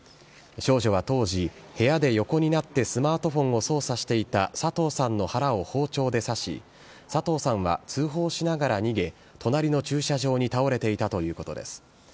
少女は当時、部屋で横になってスマートフォンを操作していた佐藤さんを腹を包丁で刺し、佐藤さんは通報しながら逃げ、隣の駐車場に倒れていたということです。